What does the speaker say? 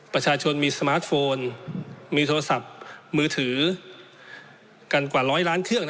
ประชาชนมีสมาร์ทโฟนมีโทรศัพท์มือถือกันกว่าร้อยล้านเครื่อง